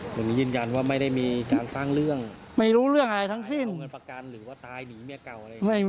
วันนี้ยืนยันว่าไม่ได้มีการสร้างเรื่องไม่รู้เรื่องอะไรทั้งสิ้นเงินประกันหรือว่าตายหนีเมียเก่าอะไรอย่างนี้